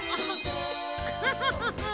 ウフフフフ。